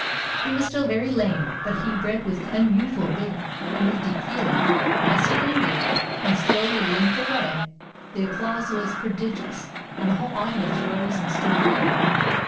He was still very lame, but he read with unusual vigor, and with deep feeling. As he ended, and slowly limped away, the applause was prodigious, and the whole audience rose and stood waiting.